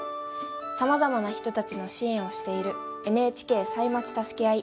さまざまな人たちの支援をしている「ＮＨＫ歳末たすけあい」。